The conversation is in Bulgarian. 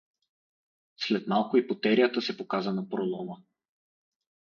След малко и потерята се показа на пролома.